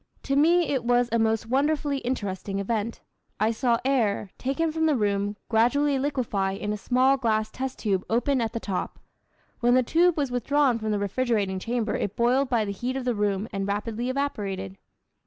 To me it was a most wonderfully interesting event. I saw air, taken from the room, gradually liquefy in a small glass test tube open at the top. When the tube was withdrawn from the refrigerating chamber it boiled by the heat of the room, and rapidly evaporated.